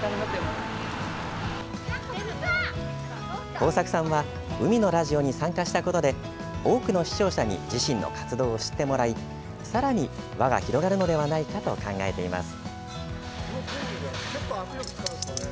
ＫＯＵＳＡＫＵさんは「海のラジオ」に参加したことで多くの視聴者に自身の活動を知ってもらいさらに輪が広がるのではないかと考えています。